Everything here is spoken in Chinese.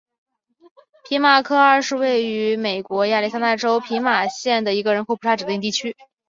皮马科二是位于美国亚利桑那州皮马县的一个人口普查指定地区。